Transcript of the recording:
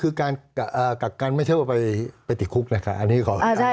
คือการกักกันไม่ใช่ว่าไปติดคุกนะคะอันนี้ขอ